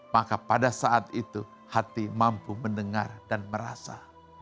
maka pada saat itu hati mampu mendengar dan merasa